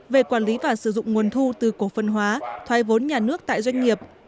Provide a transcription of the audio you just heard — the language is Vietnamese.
về quản lý và sử dụng nguồn thu từ cổ phần hóa thay vốn nhà nước tại doanh nghiệp